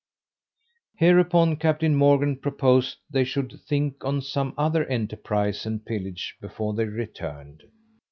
Hereupon Captain Morgan proposed they should think on some other enterprise and pillage before they returned.